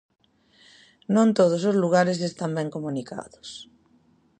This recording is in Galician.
Non todos os lugares están ben comunicados.